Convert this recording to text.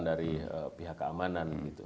dari pihak keamanan